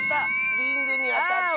リングにあたった！